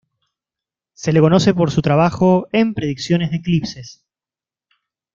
Se le conoce por su trabajo en predicciones de eclipses.